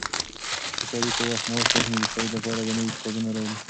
که شریف په وخت معاش واخلي، نو د سعید لپاره به نوي کتابونه راوړي.